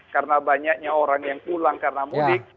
karena banyaknya orang yang pulang karena mudik